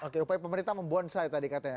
supaya pemerintah membonsai tadi katanya